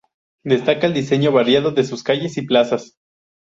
Destaca el diseño variado de sus calles y plazas.